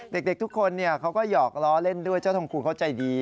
เด็กทุกคนเขาก็หยอกล้อเล่นด้วยเจ้าทองครูเขาใจดี